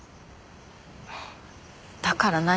だから何？